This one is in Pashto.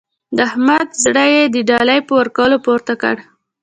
د احمد زړه يې د ډالۍ په ورکولو پورته کړ.